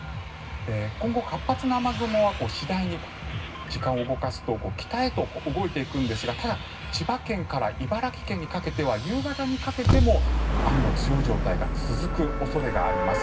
今後、活発な雨雲は次第に、時間を動かすと北へと動いていくんですがただ、千葉県から茨城県にかけては夕方にかけても雨の強い状態が続く恐れがあります。